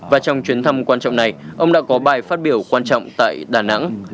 và trong chuyến thăm quan trọng này ông đã có bài phát biểu quan trọng tại đà nẵng